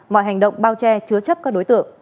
mọi hành động bao che chứa chấp các đối tượng